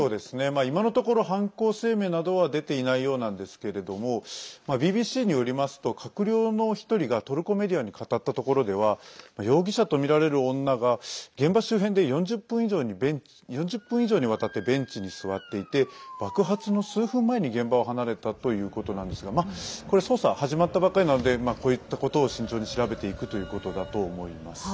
今のところ、犯行声明などは出ていないようなんですけれどもＢＢＣによりますと閣僚の１人がトルコメディアに語ったところでは容疑者とみられる女が現場周辺で４０分以上にわたってベンチに座っていて爆発の数分前に現場を離れたということなんですがこれは捜査が始まったばかりなのでこういったことを慎重に調べていくということだと思います。